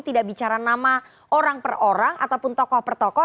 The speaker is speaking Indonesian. tidak bicara nama orang per orang ataupun tokoh per tokoh